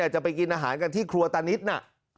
จะไปกินอาหารกันที่ครัวตานิดน่ะ